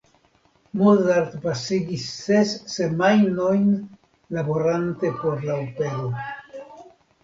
Mozart pasigis ses semajnojn laborante por la opero.